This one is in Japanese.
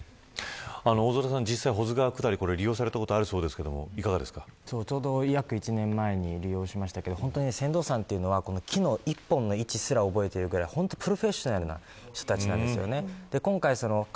大空さん、保津川下り利用されたことあるそうですがちょうど約１年前に利用しましたが船頭さんというのは木の一本の位置さえ覚えているぐらいプロフェッショナルな人たちです。